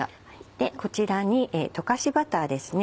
でこちらに溶かしバターですね。